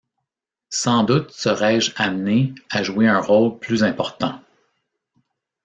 Sans doute serais-je amenée à jouer un rôle plus important.